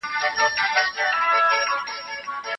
پنجشنبه زموږ لپاره یوه ډېره بوخته ورځ وه.